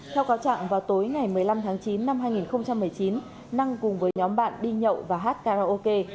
theo cáo trạng vào tối ngày một mươi năm tháng chín năm hai nghìn một mươi chín năng cùng với nhóm bạn đi nhậu và hát karaoke